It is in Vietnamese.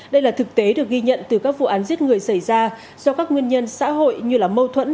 đây là thực tế được ghi nhận từ các vụ án giết người xảy ra do các nguyên nhân xã hội như mâu thuẫn